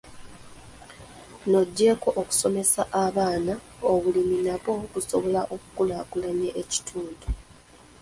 Ng'oggyeko okusomesa abaana, obulimi nabwo busobola okukulaakulanya ekitundu.